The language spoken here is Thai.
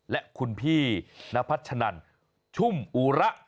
และคุณพี่นพัชนันชุ่มอุระ